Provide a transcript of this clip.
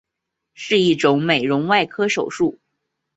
是一种美容外科手术。